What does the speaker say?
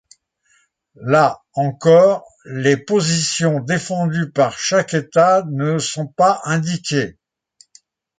Là encore, les positions défendues par chaque État ne sont pas indiqués.